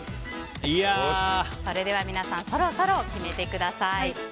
それでは皆さんそろそろ決めてください。